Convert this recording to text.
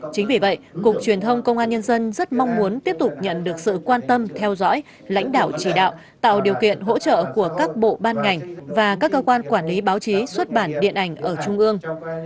chính vì vậy cục truyền thông công an nhân dân rất mong muốn tiếp tục nhận được sự quan tâm theo dõi lãnh đạo chỉ đạo tạo điều kiện hỗ trợ của các bộ ban ngành và các cơ quan quản lý báo chí xuất bản điện ảnh ở trung ương